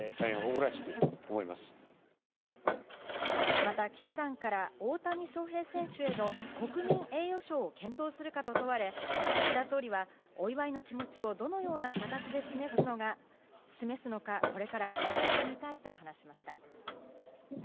また記者団から大谷翔平選手への国民栄誉賞を検討するかと問われ、岸田総理はお祝いの気持ちをどのような形で示すのかこれから考えてみたいと話しました。